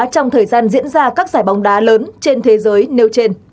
trong thời gian diễn ra các giải bóng đá lớn trên thế giới nêu trên